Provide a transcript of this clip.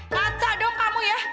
heh laca dong kamu ya